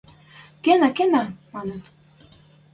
– Кенӓ, кенӓ!.. – маныт.